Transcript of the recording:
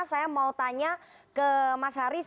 saya mau tanya ke mas haris